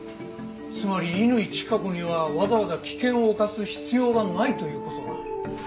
つまり乾チカ子にはわざわざ危険を冒す必要がないという事だ。